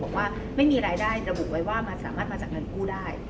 บอกว่าไม่มีรายได้ระบุไว้ว่ามันสามารถมาจากเงินกู้ได้